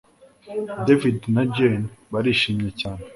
David na Jane barishimye cyane